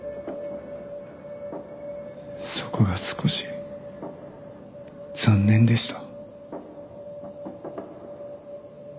そこが少し残念でした。